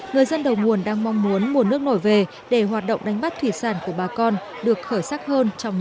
người dân đầu nguồn đang mong muốn mùa nước nổi về để hoạt động đánh bắt thủy sản của bà con được khởi sắc hơn trong những ngày